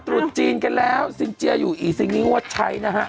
ตรุดจีนกันแล้วสิงเจียอยู่อีสิงนิววัดชัยนะครับ